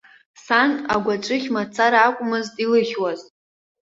Сан агәаҵәыхь мацара акәмызт илыхьуаз.